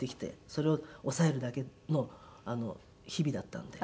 それを抑えるだけの日々だったんで。